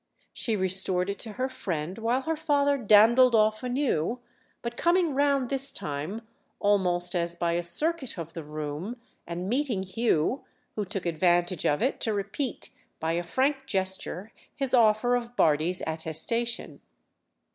She restored it to her friend while her father dandled off anew, but coming round this time, almost as by a circuit of the room, and meeting Hugh, who took advantage of it to repeat by a frank gesture his offer of Bardi's attestation.